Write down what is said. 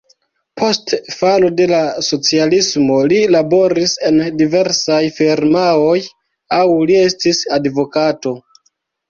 Post falo de la socialismo li laboris en diversaj firmaoj, aŭ li estis advokato.